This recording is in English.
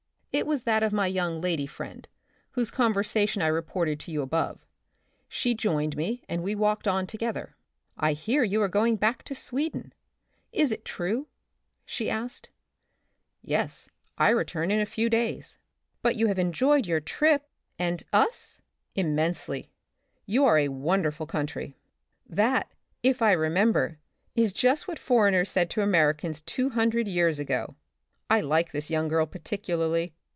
It was that of my young lady friend, whose conversation I reported to you above. She joined me and we walked on together. " I hear you are going back to Sweden ; is it true ?she asked. " Yes, I return in a few days." " But you have enjoyed your trip — and — us?" •*' Immensely. You are a wonderful coun try." " That, if I remember, is just what foreigners said to Americans two hundred years ago." (I like this young girl particularly.